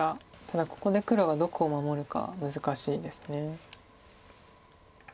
ただここで黒がどこを守るか難しいです。